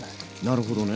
なるほどね。